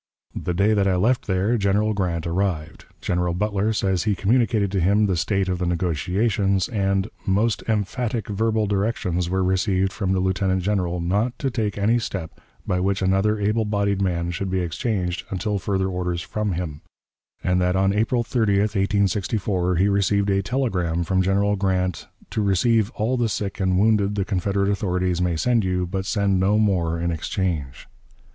The day that I left there General Grant arrived. General Butler says he communicated to him the state of the negotiations, and 'most emphatic verbal directions were received from the Lieutenant General not to take any step by which another able bodied man should be exchanged until further orders from him'; and that on April 30, 1864, he received a telegram from General Grant 'to receive all the sick and wounded the Confederate authorities may send you, but send no more in exchange.'